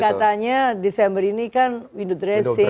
katanya desember ini kan window dressing